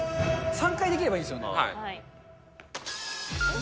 ３回できればいいんですよね。